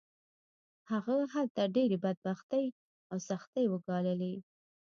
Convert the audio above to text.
هغه هلته ډېرې بدبختۍ او سختۍ وګاللې